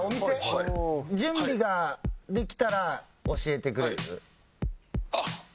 「はい」準備ができたら教えてくれる？